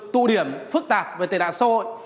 tụ điểm phức tạp về tài nạn xã hội